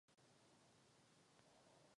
Nejjižnější bod Alžírska je vzdálen cca.